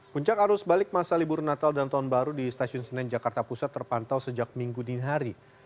puncak arus balik masa libur natal dan tahun baru di stasiun senen jakarta pusat terpantau sejak minggu dini hari